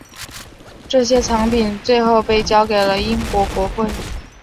这些藏品最后被交给了英国国会。